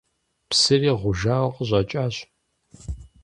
Псыри гъужауэ къыщӏэкӏащ.